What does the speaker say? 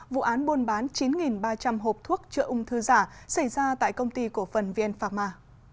vụ án buôn bán chín ba trăm linh hộp thuốc chữa ung thư giả xảy ra tại công ty cổ phần vn pharma